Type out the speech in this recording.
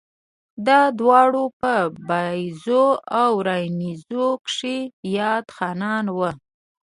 دا دواړه پۀ بائيزو او راڼېزو کښې ياد خانان وو